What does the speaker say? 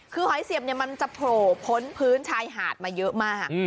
คือหอยเสียบมันจะโผล่พ้นพื้นชายหาดมาเยอะมาก